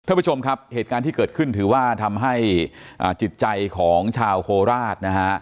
ท่านผู้ชมครับเหตุการณ์ที่เกิดขึ้นถือว่าทำให้จิตใจของชาวโคราชนะฮะ